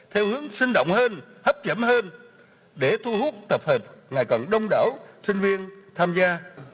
theo hướng sinh động hơn hấp dẫn hơn để thu hút tập hợp ngày càng đông đảo sinh viên tham gia